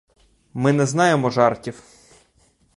Ми не знаємо жартів!